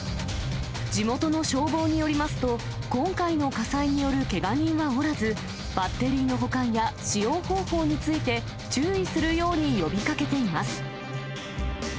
地元の消防によりますと、今回の火災によるけが人はおらず、バッテリーの保管や使用方法について注意するように呼びかけています。